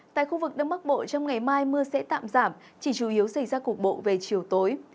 tại khu vực đông bắc bộ trong ngày mai mưa sẽ tạm giảm chỉ chủ yếu xảy ra cục bộ về chiều tối